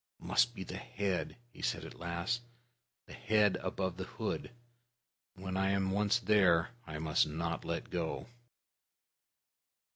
"It must be the head"' he said at last; "the head above the hood. And, when I am once there, I must not let go."